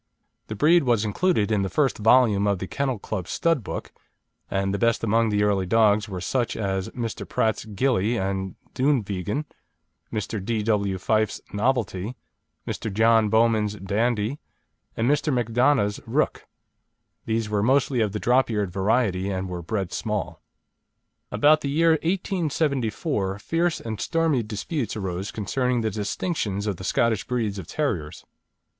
The breed was included in the first volume of the Kennel Club Stud Book, and the best among the early dogs were such as Mr. Pratt's Gillie and Dunvegan, Mr. D. W. Fyfe's Novelty, Mr. John Bowman's Dandie, and Mr. Macdona's Rook. These were mostly of the drop eared variety, and were bred small. About the year 1874, fierce and stormy disputes arose concerning the distinctions of the Scottish breeds of terriers.